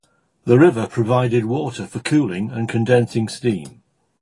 The river provided water for cooling and condensing steam.